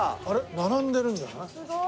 並んでるんじゃない？